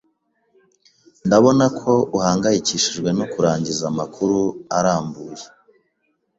Ndabona ko uhangayikishijwe no kurangiza amakuru arambuye.